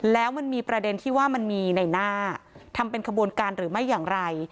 แล้วมันมีประเด็นที่ว่ามันมีในหน้าทำเป็นขบวนการหรือไม่อย่างไร